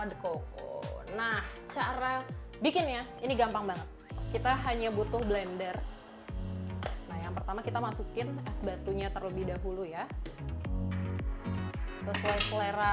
de coco nah cara bikinnya ini gampang banget kita hanya butuh blender yang pertama kita masukin es